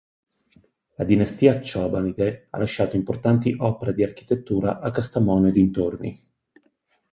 La dinastia chobanide ha lasciato importanti opere di architettura a Kastamonu e dintorni.